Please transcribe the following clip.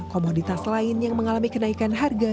komoditas lain yang mengalami kenaikan harga